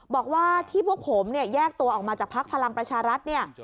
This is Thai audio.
บอกว่าที่พวกผมเนี่ยแยกตัวออกมาจากภักดิ์พลังประชารัฐเนี่ย